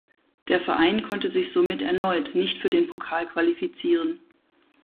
Der Verein konnte sich somit erneut nicht für den Pokal qualifizieren.